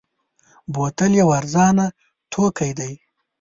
بوتل یو ارزانه توکی دی.